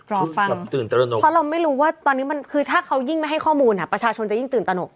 รอฟังเพราะเราไม่รู้ว่าตอนนี้มันคือถ้าเขายิ่งไม่ให้ข้อมูลประชาชนจะยิ่งตื่นตนก